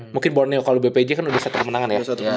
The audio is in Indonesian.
mungkin borneo kalau bpj kan udah bisa kemenangan ya